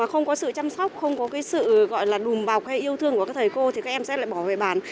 không có sự chăm sóc không có cái sự gọi là đùm bọc hay yêu thương của các thầy cô thì các em sẽ lại bỏ về bản